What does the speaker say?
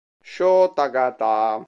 Shō Takada